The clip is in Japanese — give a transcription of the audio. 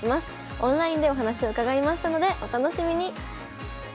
オンラインでお話を伺いましたのでお楽しみに。